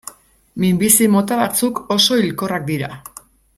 Minbizi mota batzuk oso hilkorrak dira.